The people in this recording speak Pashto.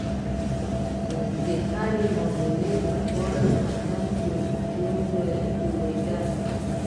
د هرې معاملې لپاره یو سند جوړېده.